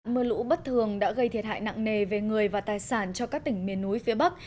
mưa lũ bất thường đã gây thiệt hại nặng nề về người và tài sản cho các tỉnh miền núi phía bắc